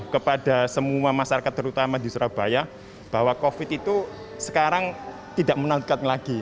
kepada semua masyarakat terutama di surabaya bahwa covid itu sekarang tidak menaikkan lagi